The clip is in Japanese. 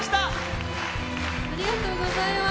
ありがとうございます。